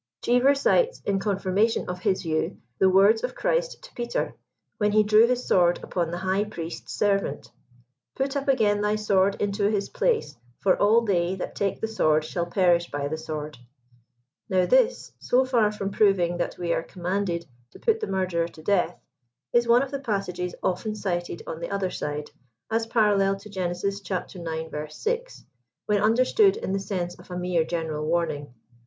Cheever cites in confirmation of his view, the words of Christ to Peter, when he drew his sword upon the high priest's ser vant: "Put up again thy sword into his place ; for all they that take the sword shall perish by the sword." Now this, so far from proving that we are commanded to put the murderer to death, is one of the passages often cited on the other side, as parallel to Qen. ix. 6, when understood in the sense of a mere general warning.